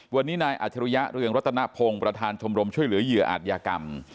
วันนี้นายอัจฉริยะเรืองรัตนพงศ์ประธานชมรมช่วยเหลือเหยื่ออาจยากรรม